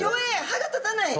歯が立たない！